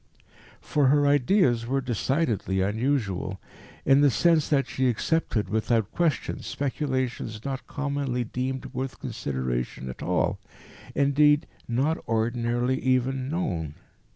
For her ideas were decidedly unusual, in the sense that she accepted without question speculations not commonly deemed worth consideration at all, indeed not ordinarily even known.